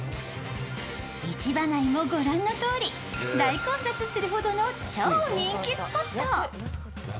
市場内も御覧のとおり、大混雑するほどの超人気スポット。